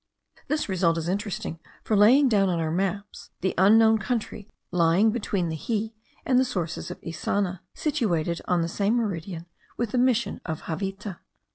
This result is interesting for laying down on our maps the unknown country lying between the Xie and the sources of the Issana, situated on the same meridian with the mission of Javita.